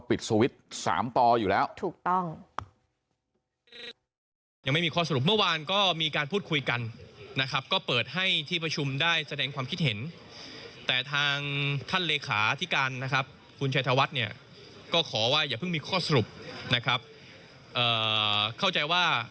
เพราะเขาปิดสวิตช์๓ต่ออยู่แล้ว